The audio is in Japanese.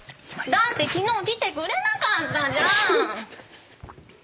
だって昨日来てくれなかったじゃん！